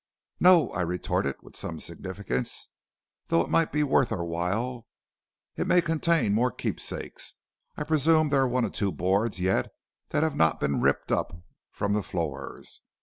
"'No,' I retorted with some significance, 'though it might be worth our while. It may contain more keepsakes; I presume there are one or two boards yet that have not been ripped up from the floors.'